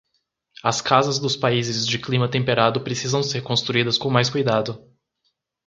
As casas dos países de clima temperado precisam ser construídas com mais cuidado